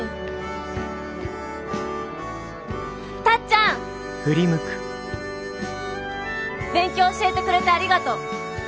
タッちゃん！勉強教えてくれてありがとう！